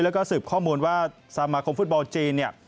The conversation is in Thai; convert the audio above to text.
และซืบข้อมูลว่าสมคมฟุตบอลจีน